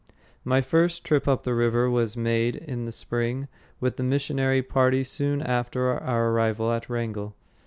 My first trip up the river was made in the spring with the missionary party soon after our arrival at Wrangell.